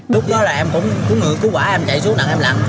lúc đó là em cũng cứu quả em chạy xuống nặng em lặng